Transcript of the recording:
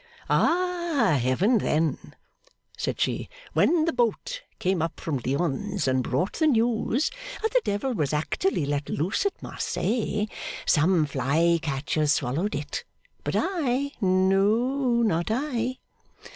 'Ah Heaven, then,' said she. 'When the boat came up from Lyons, and brought the news that the devil was actually let loose at Marseilles, some fly catchers swallowed it. But I? No, not I.